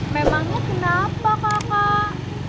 memangnya kenapa kakak